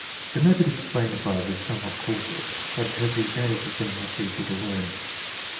The method explained above is somewhat coarser, but it has the advantage of being much easier to learn.